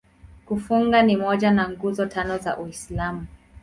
Kufunga ni moja ya Nguzo Tano za Uislamu.